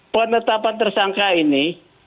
penetapan tersangka ini